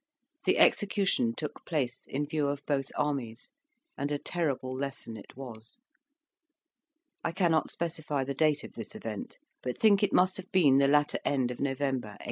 The execution took place in view of both armies, and a terrible lesson it was. I cannot specify the date of this event, but think it must have been the latter end of November, 1813.